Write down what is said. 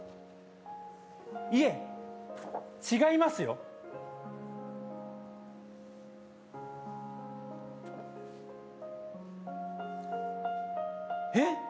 いえ違いますよえっ！？